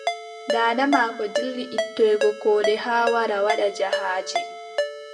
Daada maako dilli ittoygo koode haa wara waɗa jahaaji.